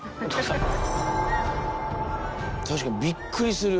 確かにびっくりする。